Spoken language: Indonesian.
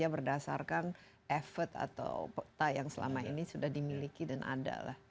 atau apakah bisa bekerja berdasarkan effort atau peta yang selama ini sudah dimiliki dan ada lah